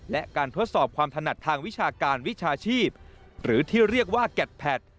และการทดสอบความถนัดทางวิชาการวิชาชีพหรือที่เรียกว่าแกดแพท